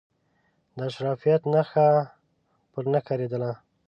د اشرافیت نخښه پر نه ښکارېدله.